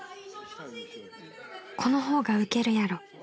［「この方がウケるやろ」］